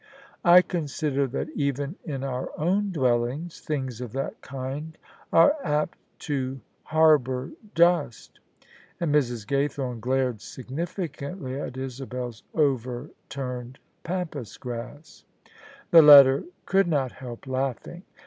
"" I consider that even in our own dwellings things of that kind are apt to harbour dust." And Mrs. Gaythorne glared significantly at Isabel's overturned pampas grass. The latter could not help laughing.